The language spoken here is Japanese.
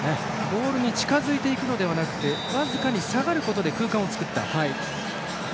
ゴールに近づくのではなくて僅かに下がることで空間を作った。